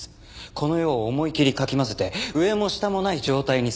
この世を思い切りかき混ぜて上も下もない状態にする。